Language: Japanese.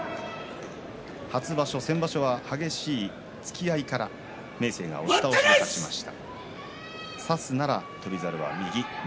初場所、先場所は激しい突き合いから明生が押し倒しで勝ちました。